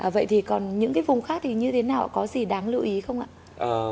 vậy thì còn những vùng khác như thế nào có gì đáng lưu ý không ạ